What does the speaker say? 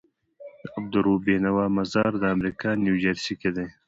د عبدالروف بينوا مزار دامريکا نيوجرسي کي دی